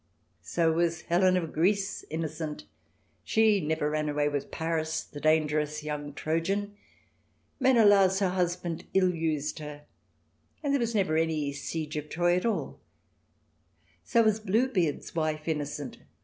So was Helen of Greece innocent. She never ran away with Paris, the dangerous young Trojan. Menelaus, her husband, ill used her, and there never was any siege of Troy at all. So was Bluebeard's wife innocent.